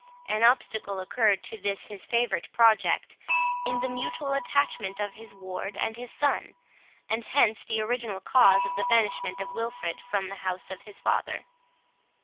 An obstacle occurred to this his favourite project, in the mutual attachment of his ward and his son and hence the original cause of the banishment of Wilfred from the house of his father.